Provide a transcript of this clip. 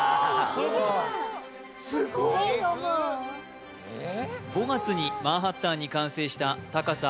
そこまで読む５月にマンハッタンに完成した高さ